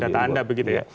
dalam data anda begitu ya